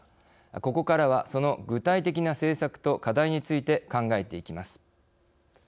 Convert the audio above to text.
ここからはその具体的な政策と課題について考えていきます。